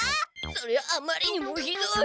そりゃあまりにもひどい！